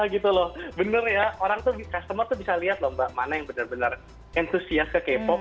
gitu loh bener ya orang tuh customer tuh bisa lihat loh mbak mana yang benar benar entusias ke k pop